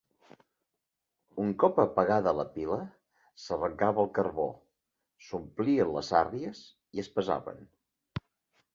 Un cop apagada la pila, s'arrencava el carbó, s'omplien les sàrries i es pesaven.